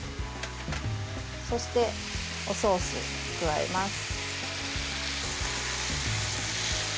そして、おソースを加えます。